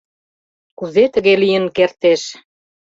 Кузе тыге лийын кертеш?!